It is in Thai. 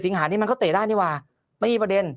หานี่มันก็เตะได้นี่ว่าไม่มีประเด็น